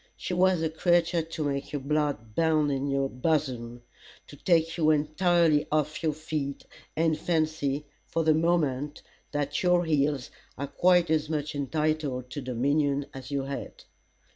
She was a creature to make your blood bound in your bosom, to take you entirely off your feet, and fancy, for the moment, that your heels are quite as much entitled to dominion as your head.